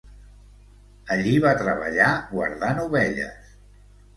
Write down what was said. Allí va treballar guardant ovelles.